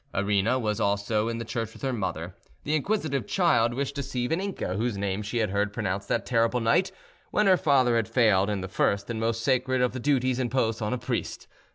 Arina was also in the church with her mother. The inquisitive child wished to see Vaninka, whose name she had heard pronounced that terrible night, when her father had failed in the first and most sacred of the duties imposed on a priest.